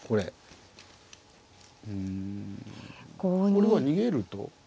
これは逃げると。